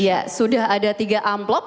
ya sudah ada tiga amplop